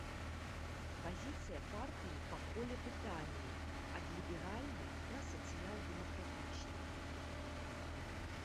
Пазіцыя партыі па коле пытанняў, ад ліберальнай да сацыял-дэмакратычнай.